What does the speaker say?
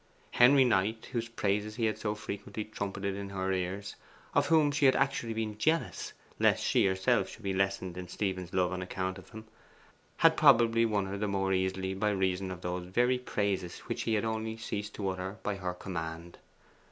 Henry Knight, whose praises he had so frequently trumpeted in her ears, of whom she had actually been jealous, lest she herself should be lessened in Stephen's love on account of him, had probably won her the more easily by reason of those very praises which he had only ceased to utter by her command.